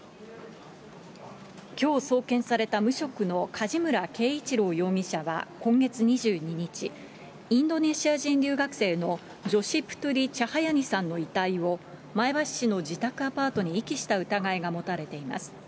きょう送検された無職の、梶村圭一郎容疑者は今月２２日、インドネシア人留学生の、ジョシ・プトゥリ・チャハヤニさんの遺体を前橋市の自宅アパートに遺棄した疑いが持たれています。